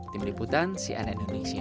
tim liputan sian indonesia